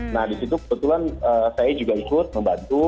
nah di situ kebetulan saya juga ikut membantu